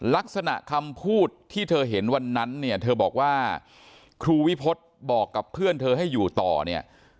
ลักษณะคำพูดที่เธอเห็นวันนั้นเนี่ยเธอบอกว่าครูวิพฤษบอกกับเพื่อนเธอให้อยู่ต่อเนี่ย